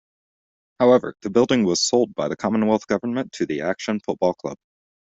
However, the building was sold by the Commonwealth government to the Acton Football Club.